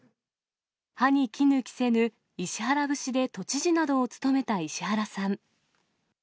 歯にきぬ着せぬ石原節で都知事などを務めた石原さん。